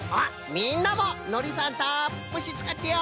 みんなものりさんたっぷしつかってよ！